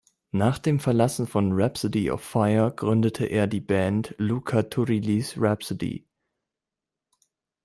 Nach dem Verlassen von "Rhapsody of Fire" gründete er die Band Luca Turilli’s Rhapsody.